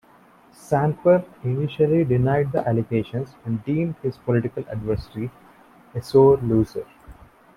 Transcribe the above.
Samper initially denied the allegations and deemed his political adversary a sore loser.